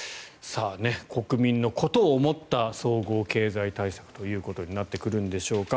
国民のことを思った総合経済対策ということになってくるんでしょうか。